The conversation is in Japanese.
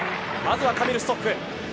まずはカミル・ストッフ。